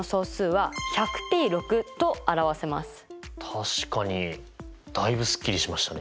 確かにだいぶすっきりしましたね。